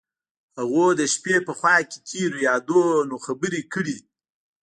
هغوی د شپه په خوا کې تیرو یادونو خبرې کړې.